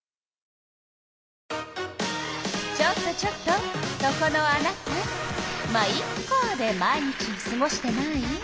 ちょっとちょっとそこのあなた「ま、イッカ」で毎日をすごしてない？